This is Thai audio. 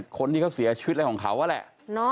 คนที่เขาเสียชีวิตอะไรของเขานั่นแหละ